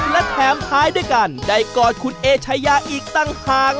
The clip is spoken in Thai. และแถมท้ายด้วยการได้กอดคุณเอเชยะอีกตั้งห่าง